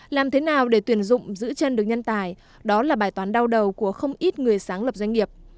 làm thế nào để tuyển dụng giữ chân được nhân tài đó là bài toán đau đầu của không ít người sáng lập doanh nghiệp